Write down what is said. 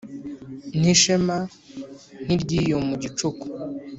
N'Ishema nk'iry'iyo mu gicu